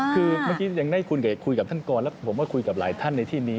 คือเมื่อกี้ยังได้คุยกับท่านกรแล้วผมมาคุยกับหลายท่านในที่นี้